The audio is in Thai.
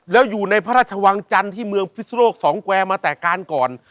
แล้วอยู่ในพระราชวังจันทร์ที่เมืองพิศนโลกสองแควร์มาแต่การก่อน